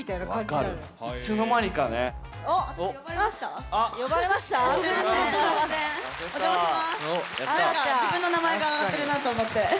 なんか自分の名前があがってるなと思って。